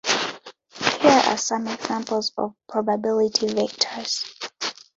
Here are some examples of probability vectors.